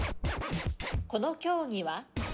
この競技は？